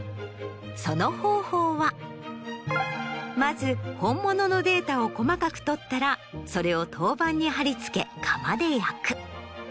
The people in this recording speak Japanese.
その方法はまず本物のデータを細かく取ったらそれを陶板に貼り付け窯で焼く。